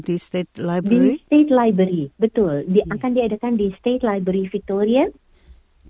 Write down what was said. di state library betul akan diadakan di state library victoria